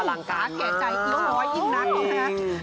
อลังการแก่ใจเยอะร้อยอีกนักบ้างค่ะ